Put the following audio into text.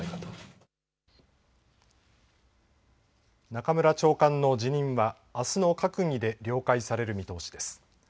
中村長官の辞任は、あすの閣議で了解される見通しです。